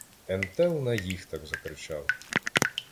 Ентелл на їх так закричав.